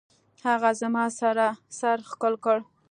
هغه زما سر ښکل کړ.